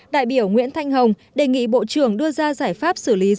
đại biểu nguyễn thanh hồng đề nghị bộ trưởng đưa ra giải pháp xử lý